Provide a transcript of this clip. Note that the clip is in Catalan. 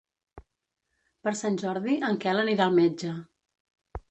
Per Sant Jordi en Quel anirà al metge.